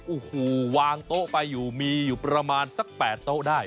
โอ้โหวางโต๊ะไปอยู่มีอยู่ประมาณสัก๘โต๊ะได้